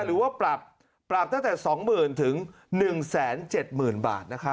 หรือว่าปรับปรับตั้งแต่๒๐๐๐ถึง๑๗๐๐๐บาทนะครับ